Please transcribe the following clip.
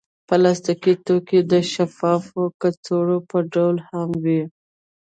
پلاستيکي توکي د شفافو کڅوړو په ډول هم وي.